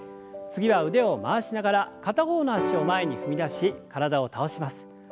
次は腕を回しながら片方の脚を前に踏み出し体を倒します。